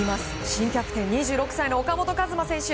新キャプテン２６歳の岡本和真選手！